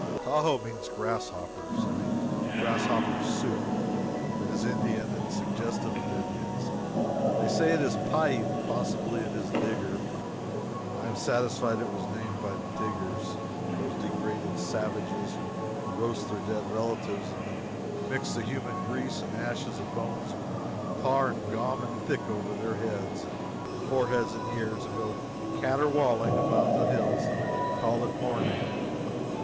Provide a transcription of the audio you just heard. Tahoe means grasshoppers. It means grasshopper soup. It is Indian, and suggestive of Indians. They say it is Pi ute possibly it is Digger. I am satisfied it was named by the Diggers those degraded savages who roast their dead relatives, then mix the human grease and ashes of bones with tar, and "gaum" it thick all over their heads and foreheads and ears, and go caterwauling about the hills and call it mourning.